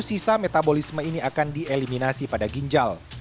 sisa metabolisme ini akan dieliminasi pada ginjal